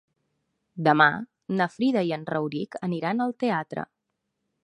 Demà na Frida i en Rauric aniran al teatre.